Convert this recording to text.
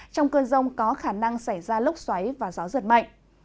trong cơn rông có khả năng xảy ra lốc xoáy và gió giật mạnh